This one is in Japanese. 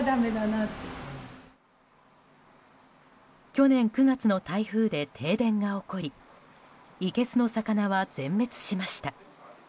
去年９月の台風で停電が起こりいけすの魚は全滅しました。